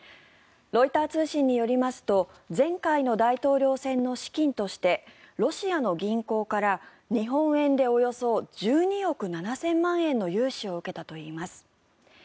ロイター通信によりますと前回の大統領選の資金としてロシアの銀行から日本円でおよそ１２億７０００万円の融資を受けたといいます。